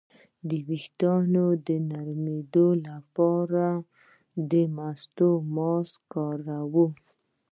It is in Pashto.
د ویښتو د نرمیدو لپاره د مستو ماسک وکاروئ